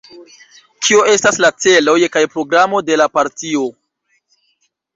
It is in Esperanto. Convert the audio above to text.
Kio estas la celoj kaj programo de la partio?